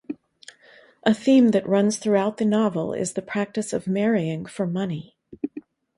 A theme that runs throughout the novel is the practice of marrying for money.